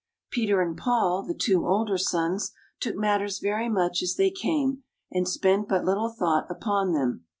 Peter and Paul, the two older sons, took matters very much as they came, and spent but little thought upon them.